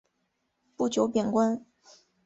不久贬官。